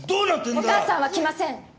お母さんは来ません。